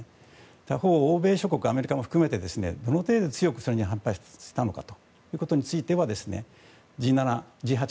他方、欧米諸国アメリカも含めて、どの程度強くそれに反発したのかということについてはＧ７、Ｇ８